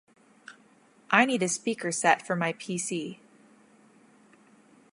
I need a speaker set for my PC.